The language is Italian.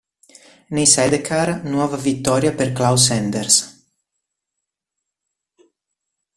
Nei sidecar nuova vittoria per Klaus Enders.